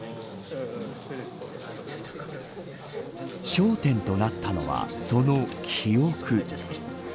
焦点となったのはその記憶。